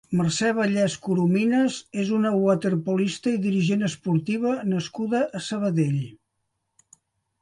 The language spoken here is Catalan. Mercè Vallès Corominas és una waterpolista i dirigent esportiva nascuda a Sabadell.